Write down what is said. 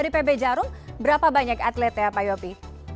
dari pb jarum berapa banyak atlet ya pak yopi